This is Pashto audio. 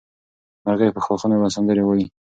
مرغۍ په ښاخونو کې سندرې وایي.